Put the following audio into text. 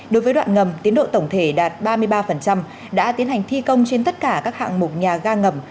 đối với đoạn ngầm tiến độ tổng thể đạt ba mươi ba đã tiến hành thi công trên tất cả các hạng mục nhà ga ngầm